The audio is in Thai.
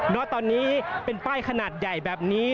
เพราะตอนนี้เป็นป้ายขนาดใหญ่แบบนี้